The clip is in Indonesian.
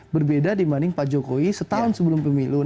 berbeda dibanding pak jokowi setahun sebelum pemilu